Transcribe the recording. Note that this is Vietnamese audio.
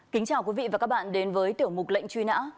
kính chào quý vị và các bạn đến với tiểu mục lệnh truy nã